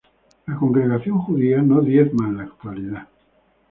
La congregación judía no diezma en la actualidad.